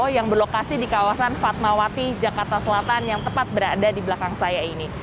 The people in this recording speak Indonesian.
yang berlokasi di kawasan fatmawati jakarta selatan yang tepat berada di belakang saya ini